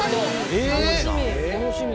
楽しみ。